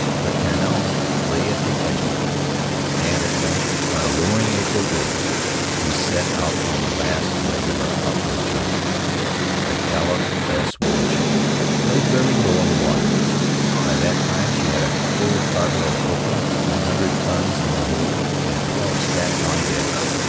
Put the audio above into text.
But Tanao lay at the edge of it, and at length, on a lowering April day, we set out on that last leg of our outward journey. The Caleb S. Wiiiship lay very low in the water. By that time she had a full cargo of copra, one hundred tons in the hold and twelve, sacked, on deck.